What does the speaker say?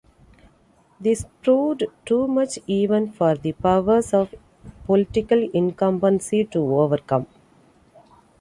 This proved too much even for the powers of political incumbency to overcome.